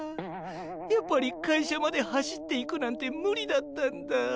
やっぱり会社まで走っていくなんてむりだったんだ。